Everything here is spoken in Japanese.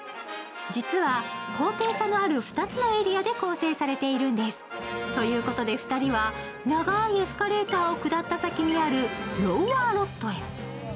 実は高低差のある２つのエリアで構成されているんです。ということで、２人は長いレスカレーターを下った先にあるロウアー・ロットへ。